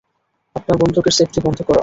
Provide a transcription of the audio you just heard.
আপনার বন্দুকের সেফটি বন্ধ করা।